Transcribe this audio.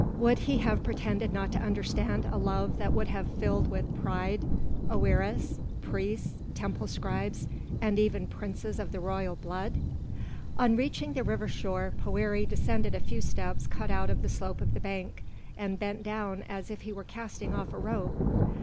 Would he have pretended not to understand a love that would have filled with pride oëris, priests, temple scribes, and even princes of the royal blood? On reaching the river shore, Poëri descended a few steps cut out of the slope of the bank, and bent down as if he were casting off a rope.